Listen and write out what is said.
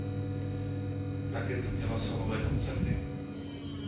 Také tu měla sólové koncerty.